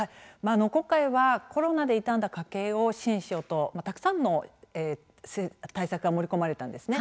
今回はコロナで傷んだ家計を支援しようとたくさんの対策が盛り込まれたんですね。